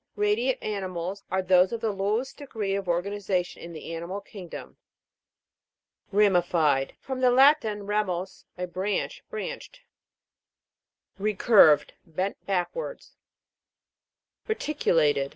Radiate animals are those of the lowest degree of organization in the ani mal kingdom. RA'MIFIED. From the Latin, ramus, a branch. Branched. RECU'RVED. Bent backwards. RETI'CULATED.